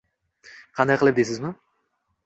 Qanday qilib deysizmi?